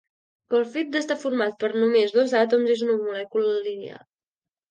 Pel fet estar format per només dos àtoms és una molècula lineal.